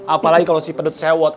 apalagi kalau si pedut sewot